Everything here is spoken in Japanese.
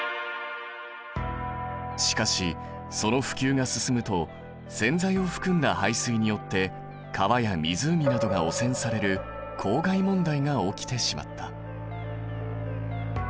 しかしその普及が進むと洗剤を含んだ排水によって川や湖などが汚染される公害問題が起きてしまった。